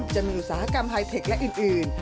อุตสาหกรรมไฮเทคและอื่น